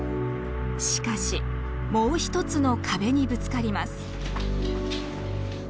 しかしもう一つの壁にぶつかります。